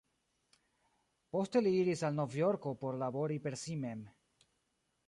Poste li iris al Novjorko por labori per si mem.